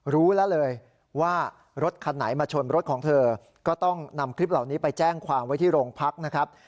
รู้แล้วเลยว่ารถคันไหนมาชนรถของเธอก็ต้องนำคลิปเหล่านี้ไปแจ้งความไว้ที่โรงพักนะครับ